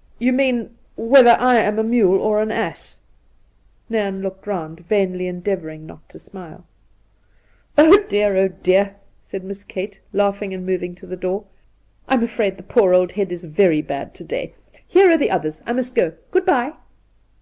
' You mean, whether I am a mule or an ass ?' Nairn looked round, vainly endeavouring not to smile. ' Oh dear, oh dear !' said Miss Kate, laughing and moving to the door ;' I'm afraid the poor old head is very bad to day ! Here are the others. I must go. Good bye.'